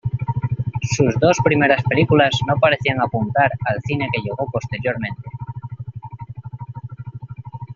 Sus dos primeras películas no parecían apuntar al cine que llegó posteriormente.